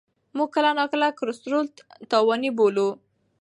موږ کله ناکله کلسترول تاواني بولو.